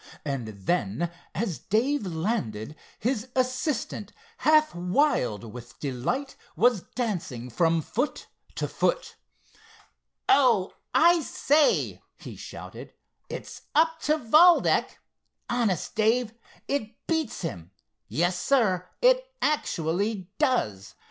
And then as Dave landed, his assistant, half wild with delight, was dancing from foot to foot. "Oh, I say," he shouted, "it's up to Valdec! Honest, Dave, it beats him. Yes, sir, it actually does!"